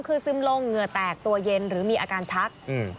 คือซึมลงเหงื่อแตกตัวเย็นหรือมีอาการชัก